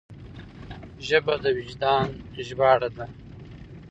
ژبه د وجدان ژباړه ده